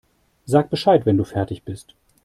Sag Bescheid, wenn du fertig bist.